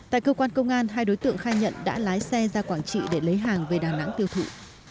tại cơ quan công an hai đối tượng khai nhận đã lái xe ra quảng trị để lấy hàng về đà nẵng tiêu thụ